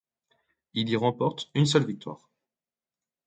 Il y remporte une seule victoire.